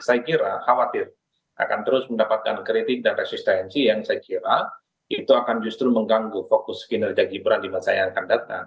saya kira khawatir akan terus mendapatkan kritik dan resistensi yang saya kira itu akan justru mengganggu fokus kinerja gibran di masa yang akan datang